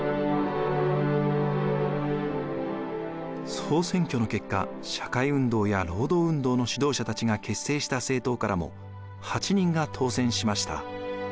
総選挙の結果社会運動や労働運動の指導者たちが結成した政党からも８人が当選しました。